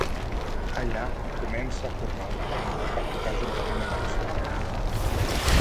Allà comença a formar una banda per tocar juntament amb Armstrong.